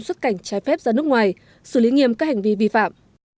xuất cảnh trái phép ra nước ngoài xử lý nghiêm các hành vi vi phạm